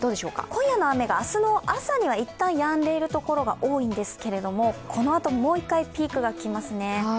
今夜の雨が明日の朝には一旦やんでいる所が多いんですがこのあと、もう一回ピークが来ますね。